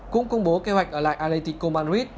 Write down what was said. cũng công bố kế hoạch ở lại atletico madrid